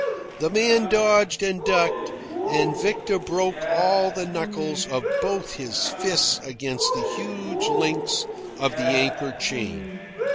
The man dodged and ducked, and Victor broke all the knuckles of both his fists against the huge links of the anchor chain.